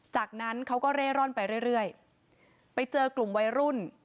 จากนั้นเขาก็เร่ร่อนไปเรื่อยไปเจอกลุ่มวัยรุ่น